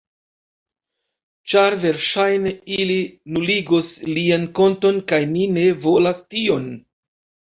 Ĉar verŝajne ili nuligos lian konton kaj ni ne volas tion.